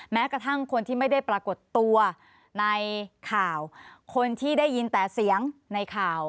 แม้กระทั่งคนที่ไม่ได้ปรากฏตัวในข่าวคนที่ได้ยินแต่เสียงในข่าว